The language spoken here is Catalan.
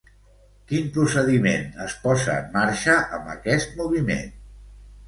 Quin procediment es posa en marxa amb aquest moviment?